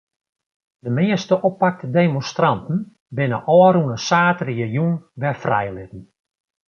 De measte oppakte demonstranten binne ôfrûne saterdeitejûn wer frijlitten.